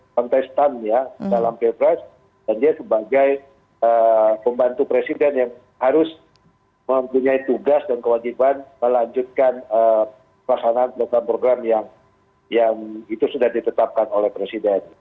kontestan ya dalam pilpres dan dia sebagai pembantu presiden yang harus mempunyai tugas dan kewajiban melanjutkan pelaksanaan program program yang itu sudah ditetapkan oleh presiden